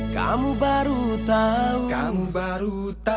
kamu baru tau